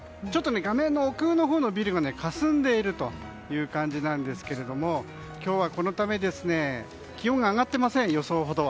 画面の奥のほうのビルがかすんでいるという感じなんですけれども今日はこのため、予想ほどは気温が上がっていません。